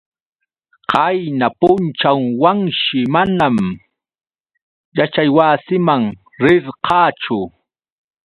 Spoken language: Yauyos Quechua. Qayna punćhaw Wanshi manam yaćhaywasiman rirqachu.